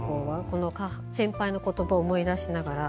この先輩の言葉を思い出しながら。